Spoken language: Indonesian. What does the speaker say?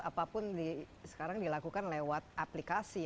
apapun sekarang dilakukan lewat aplikasi